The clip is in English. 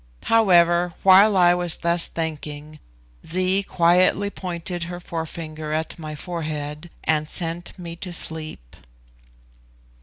However, while I was thus thinking, Zee quietly pointed her forefinger at my forehead, and sent me to sleep.